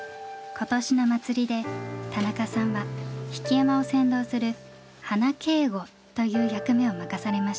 今年の祭りで田中さんは曳山を先導する花警固という役目を任されました。